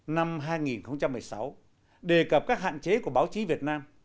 năm hai nghìn một mươi sáu đề cập các hạn chế của báo chí việt nam